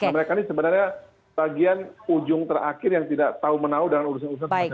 mereka ini sebenarnya bagian ujung terakhir yang tidak tahu menau dalam urusan urusan seperti ini